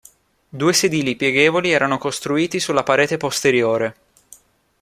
Due sedili pieghevoli erano costruiti sulla parete posteriore.